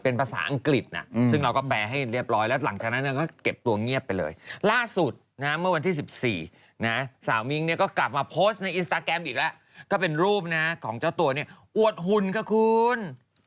เอาอันนี้อองคุณอองคุณอองคุณอองคุณ